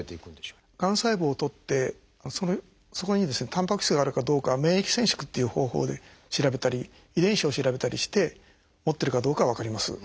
がん細胞を採ってそこにタンパク質があるかどうかは免疫染色っていう方法で調べたり遺伝子を調べたりして持ってるかどうかは分かります。